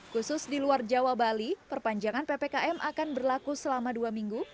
khusus di luar jawa bali perpanjangan ppkm akan berlaku selama dua minggu